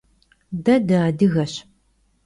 De dıadıgeş.